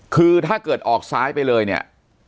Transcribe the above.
คือถ้าเกิดออกซ้ายไปเลยเนี่ย